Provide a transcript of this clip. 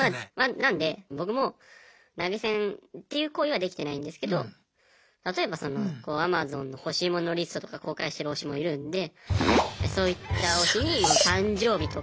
なので僕も投げ銭っていう行為はできてないんですけど例えばそのアマゾンの欲しいものリストとか公開してる推しもいるんでそういった推しに誕生日とか。